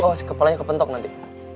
awas kepalanya kepentok nanti